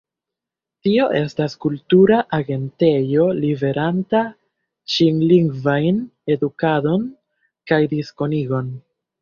Tio estas kultura agentejo liveranta ĉinlingvajn edukadon kaj diskonigon.